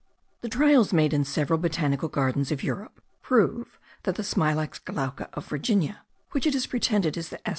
The trials made in several botanical gardens of Europe prove that the Smilax glauca of Virginia, which it is pretended is the S.